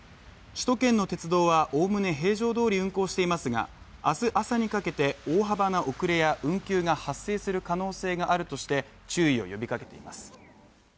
首都圏の鉄道はおおむね平常どおり運行していますが明日朝にかけて、大幅な遅れや運休が発生する可能性があるとして注意を呼びかけています。